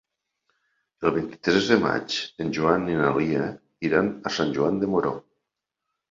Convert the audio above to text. El vint-i-tres de maig en Joan i na Lia iran a Sant Joan de Moró.